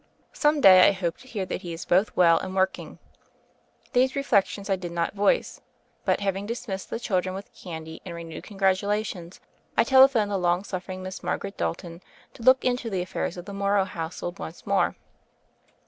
Some day I hope to hear that he is both well and work ing. These reflections I did not voice; but, having dismissed the children with candy and renewed congratulations, I telephoned the long suffering Miss Margaret Dalton to look into the affairs of the Morrow household once more.